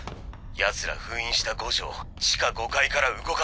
ヤツら封印した五条を地下５階から動かせない。